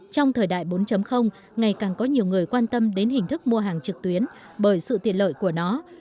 trong thời đại bốn ngày càng có nhiều người quan tâm đến hình thức mua hàng trực tuyến bởi sự tiện lợi của nó